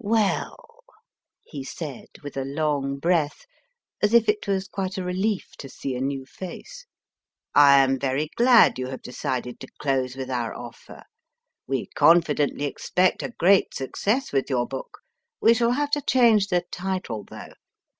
Well, he said, with a long breath, as if it was quite a relief to see a new face, I am very glad you have decided to close with our offer. We confidently expect a great success with your book. We shall have to change the title though.